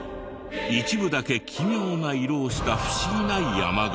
一部だけ奇妙な色をした不思議な山が。